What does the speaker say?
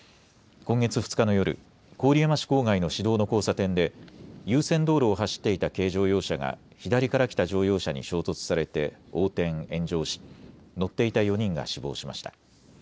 今月２日の夜、郡山市郊外の市道の交差点で優先道路を走っていた軽乗用車が左から来た乗用車に衝突されて横転・炎上し、乗っていた４人が死亡しました。